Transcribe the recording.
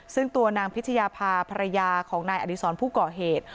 ซึ่งตัวนางพิชยาภาพรยาของนายอดีศรผู้ก่อเหตุ